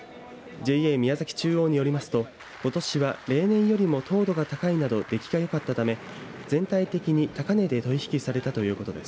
ＪＡ宮崎中央によりますとことしは平年よりも糖度が高いなどできがよかったため全体的に高値で取引されたということです。